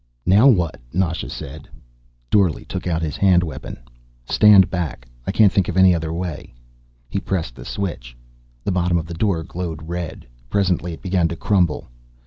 "Now what?" Nasha said. Dorle took out his hand weapon. "Stand back. I can't think of any other way." He pressed the switch. The bottom of the door glowed red. Presently it began to crumble.